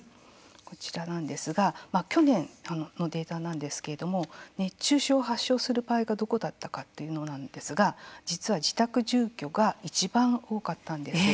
こちらなんですが去年のデータなんですけれども熱中症を発症する場合がどこだったかというのなんですが、実は自宅住居がいちばん多かったんです。